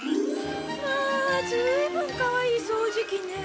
まあずいぶんかわいい掃除機ね。